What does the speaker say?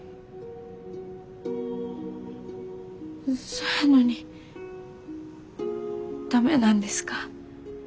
そやのに駄目なんですか？